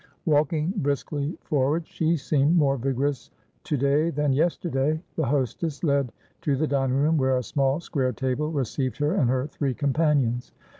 Walking briskly forwardshe seemed more vigorous to day than yesterdaythe hostess led to the dining room, where a small square table received her and her three companions.